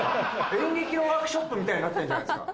演劇のワークショップみたいになってんじゃないっすか。